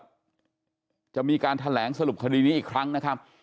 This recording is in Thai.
ทางตำรวจจะมีการแถลงสรุปคดีนี้อีกครั้งนะครับ